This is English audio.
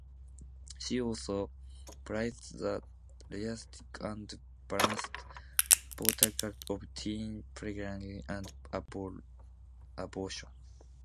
She also praised the "realistic and balanced portrayal of teen pregnancy and abortion".